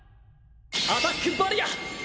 アタックバリア！